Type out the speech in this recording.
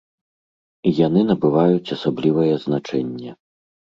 І яны набываюць асаблівае значэнне.